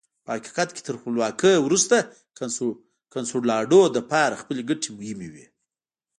په حقیقت کې تر خپلواکۍ وروسته کنسولاډو لپاره خپلې ګټې مهمې وې.